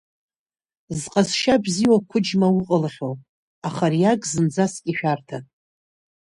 Зҟазшьа бзиоу ақәыџьма иауҟалахьоу, аха ари ак зынӡаск ишәарҭан.